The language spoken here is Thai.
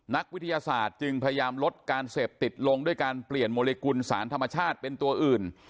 นักวิทยาศาสตร์จึงพยายามลดการเสพติดลงด้วยการเปลี่ยนโมลิกุลสารธรรมชาติเป็นตัวอื่น